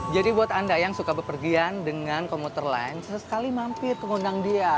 jadi buat anda yang suka berpergian dengan komuter lain sesekali mampir pengundang dia